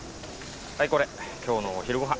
はいこれ今日のお昼ごはん。